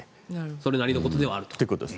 それなりのことではあると。